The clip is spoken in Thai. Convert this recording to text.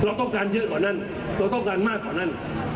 เราต้องการเยอะกว่านั้นเราต้องการมากกว่านั้น